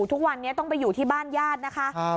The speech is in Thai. ทุกวันนี้ต้องไปอยู่ที่บ้านญาตินะคะ